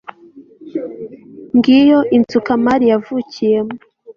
ngiyo inzu kamari yavukiyemo